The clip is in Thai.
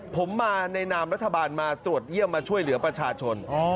ผมมาในนามรัฐบาลมาตรวจเยี่ยมมาช่วยเหลือประชาชน